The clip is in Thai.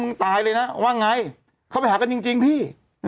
ตายเลยนะว่าไงเขาไปหากันจริงพี่